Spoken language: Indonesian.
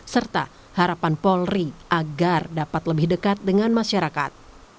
serta harapan polri agar dapat lebih dekat dengan masyarakat